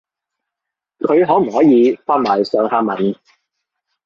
佢可唔可以發埋上下文